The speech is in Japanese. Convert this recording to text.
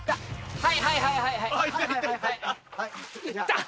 はいはいはいはいはい。